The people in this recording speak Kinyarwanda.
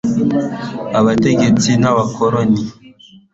abategetsi b'abakoloni